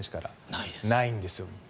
ないんですよ。